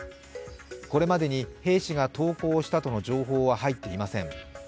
これまでに兵士が投降をしたとの情報は入っていません。